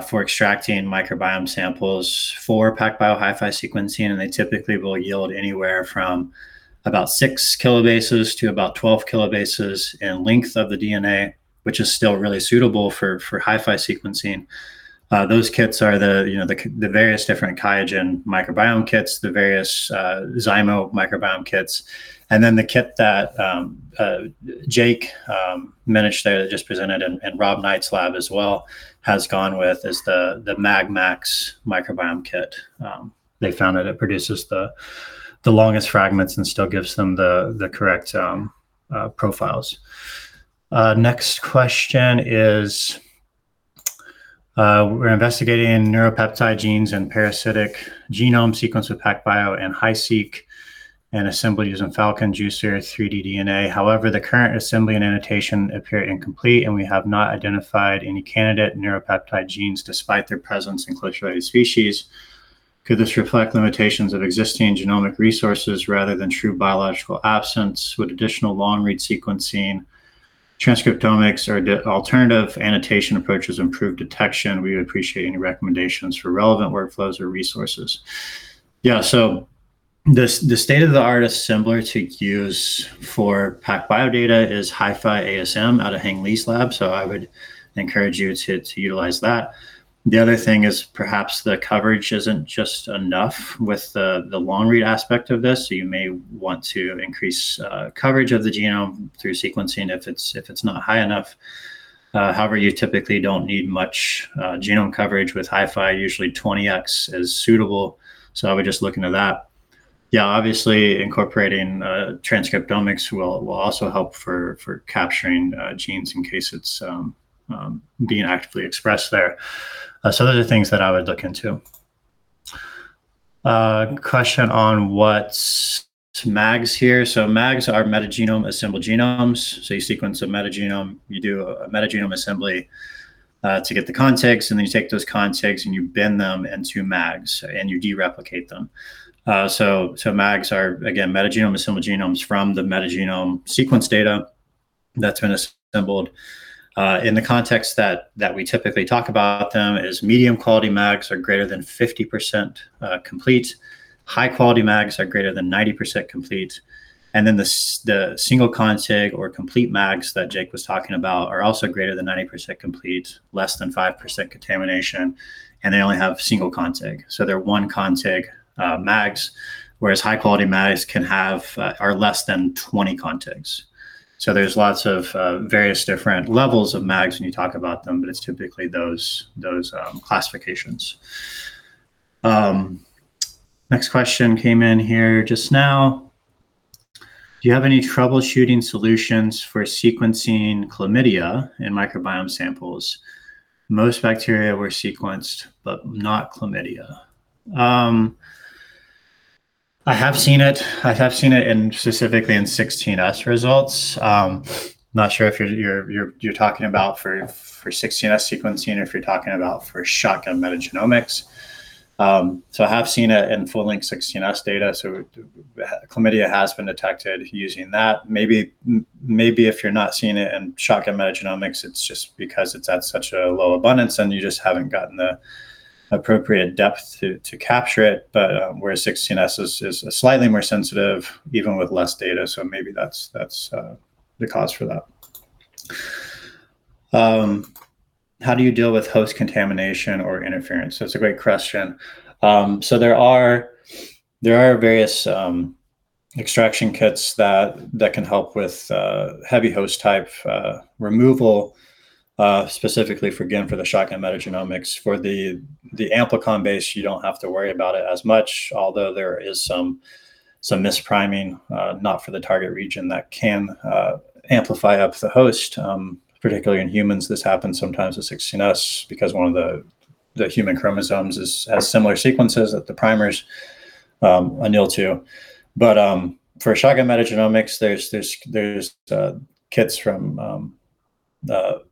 Speaker 2: for extracting microbiome samples for PacBio HiFi sequencing, and they typically will yield anywhere from about 6 kb to about 12 kb in length of the DNA, which is still really suitable for HiFi sequencing. Those kits are the various different QIAGEN microbiome kits, the various Zymo Research microbiome kits, and then the kit that Jake Minich there just presented, and Rob Knight's lab as well has gone with is the MagMAX microbiome kit. They found that it produces the longest fragments and still gives them the correct profiles. Next question is, We're investigating neuropeptide genes and parasitic genome sequence with PacBio and HiSeq, and assembly using FALCON, Juicer, 3D-DNA. However, the current assembly and annotation appear incomplete, and we have not identified any candidate neuropeptide genes despite their presence in close related species. Could this reflect limitations of existing genomic resources rather than true biological absence? Would additional long-read sequencing transcriptomics or alternative annotation approaches improve detection? We would appreciate any recommendations for relevant workflows or resources. The state-of-the-art assembler to use for PacBio data is hifiasm out of Heng Li's lab, I would encourage you to utilize that. The other thing is perhaps the coverage isn't just enough with the long-read aspect of this. You may want to increase coverage of the genome through sequencing if it's not high enough. You typically don't need much genome coverage with HiFi. Usually 20x is suitable. I would just look into that. Obviously incorporating transcriptomics will also help for capturing genes in case it's being actively expressed there. Those are things that I would look into. A question on what's MAGs here. MAGs are metagenome-assembled genomes. You sequence a metagenome, you do a metagenome assembly to get the contigs, and then you take those contigs and you bin them into MAGs, and you de-replicate them. MAGs are, again, metagenome-assembled genomes from the metagenome sequence data that's been assembled. In the context that we typically talk about them is medium quality MAGs are greater than 50% complete. High quality MAGs are greater than 90% complete. The single contig or complete MAGs that Jake was talking about are also greater than 90% complete, less than 5% contamination, and they only have single contig. They're one contig MAGs, whereas high quality MAGs are less than 20 contigs. There's lots of various different levels of MAGs when you talk about them, but it's typically those classifications. Next question came in here just now. Do you have any troubleshooting solutions for sequencing chlamydia in microbiome samples? Most bacteria were sequenced, but not chlamydia. I have seen it. I have seen it specifically in 16S results. Not sure if you're talking about for 16S sequencing or if you're talking about for shotgun metagenomics. I have seen it in full-length 16S data. Chlamydia has been detected using that. Maybe if you're not seeing it in shotgun metagenomics, it's just because it's at such a low abundance and you just haven't gotten the appropriate depth to capture it. Whereas 16S is slightly more sensitive even with less data, maybe that's the cause for that. How do you deal with host contamination or interference? That's a great question. There are various extraction kits that can help with heavy host type removal, specifically, again, for the shotgun metagenomics. For the amplicon-based, you don't have to worry about it as much, although there is some mispriming not for the target region that can amplify up the host. Particularly in humans, this happens sometimes with 16S because one of the human chromosomes has similar sequences that the primers anneal to. For shotgun metagenomics, there's kits from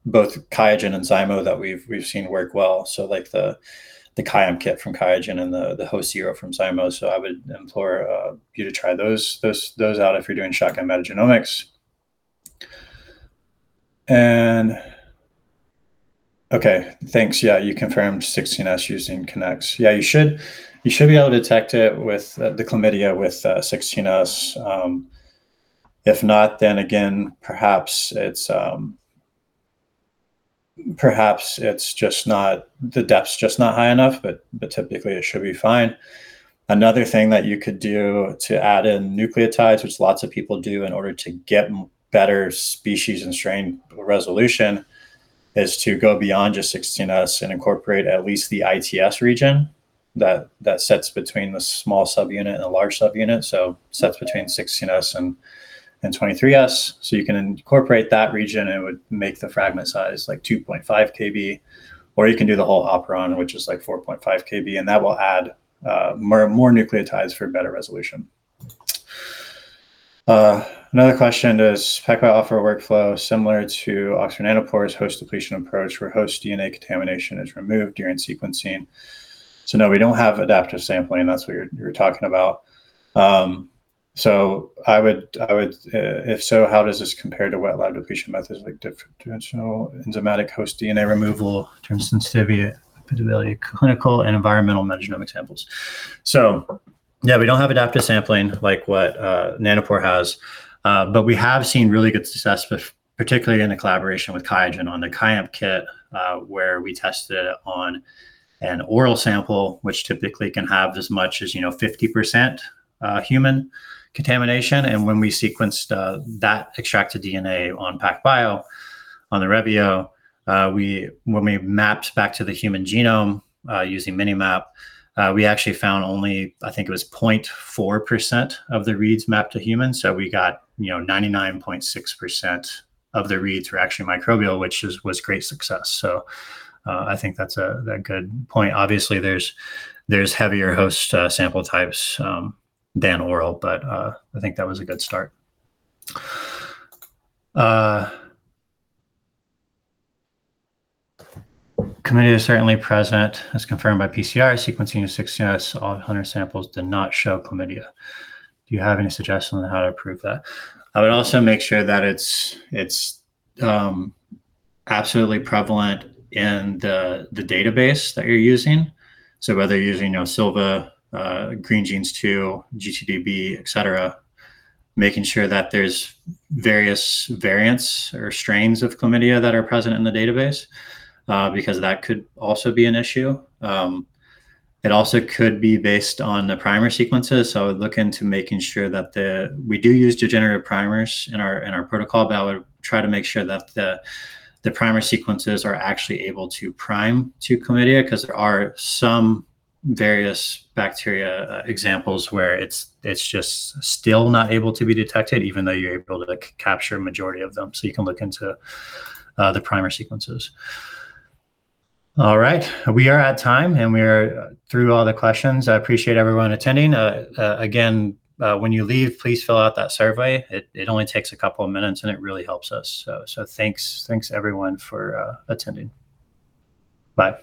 Speaker 2: both QIAGEN and Zymo that we've seen work well. Like the QIAamp kit from QIAGEN and the HostZERO from Zymo. I would implore you to try those out if you're doing shotgun metagenomics. Okay, thanks. You confirmed 16S using Kinnex. You should be able to detect it with the chlamydia with 16S. If not, again, perhaps the depth's just not high enough, but typically it should be fine. Another thing that you could do to add in nucleotides, which lots of people do in order to get better species and strain resolution, is to go beyond just 16S and incorporate at least the ITS region that sets between the small subunit and the large subunit, so sets between 16S and 23S. You can incorporate that region, and it would make the fragment size like 2.5 kb, or you can do the whole operon, which is like 4.5 kb, and that will add more nucleotides for better resolution. Another question, does PacBio offer a workflow similar to Oxford Nanopore's host depletion approach where host DNA contamination is removed during sequencing? No, we don't have adaptive sampling. That's what you're talking about. If so, how does this compare to wet lab depletion methods like dimensional enzymatic host DNA removal, term sensitivity, repeatability, clinical and environmental metagenomic samples? Yeah, we don't have adaptive sampling like what Nanopore has. We have seen really good success, particularly in the collaboration with QIAGEN on the QIAamp kit, where we tested it on an oral sample, which typically can have as much as 50% human contamination. When we sequenced that extracted DNA on PacBio on the Revio, when we mapped back to the human genome, using Minimap, we actually found only, I think it was 0.4% of the reads mapped to humans. We got 99.6% of the reads were actually microbial, which was great success. I think that's a good point. Obviously, there's heavier host sample types than oral, but I think that was a good start. Chlamydia is certainly present, as confirmed by PCR sequencing of 16S on 100 samples did not show chlamydia. Do you have any suggestion on how to improve that? I would also make sure that it's absolutely prevalent in the database that you're using. Whether you're using SILVA, Greengenes2, GTDB, et cetera, making sure that there's various variants or strains of chlamydia that are present in the database, because that could also be an issue. It also could be based on the primer sequences, I would look into making sure that we do use degenerate primers in our protocol, but I would try to make sure that the primer sequences are actually able to prime to chlamydia because there are some various bacteria examples where it's just still not able to be detected, even though you're able to capture a majority of them. You can look into the primer sequences. All right. We are at time, and we are through all the questions. I appreciate everyone attending. Again, when you leave, please fill out that survey. It only takes a couple of minutes, and it really helps us. Thanks everyone for attending. Bye